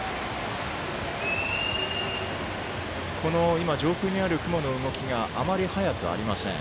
今、上空にある雲の動きがあまり速くありません。